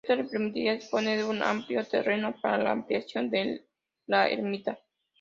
Esto le permitiría disponer de una amplio terreno para la ampliación de la ermita.